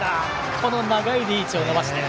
この長いリーチを伸ばして。